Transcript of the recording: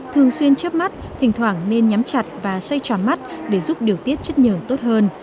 thường xuyên chấp mắt thỉnh thoảng nên nhắm chặt và xoay tròn mắt để giúp điều tiết chất nhường tốt hơn